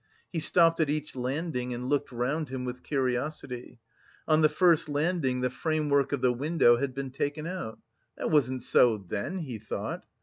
He stopped at each landing and looked round him with curiosity; on the first landing the framework of the window had been taken out. "That wasn't so then," he thought.